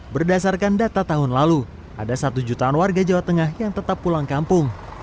berdasarkan data tahun lalu ada satu jutaan warga jawa tengah yang tetap pulang kampung